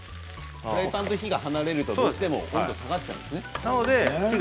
フライパンと火が離れるとどうしても温度が下がっちゃうのね。